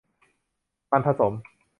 มันผสม